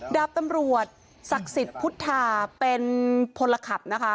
ดาบตำรวจศักดิ์สิทธิ์พุทธาเป็นพลขับนะคะ